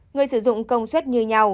người sử dụng công suất như nhau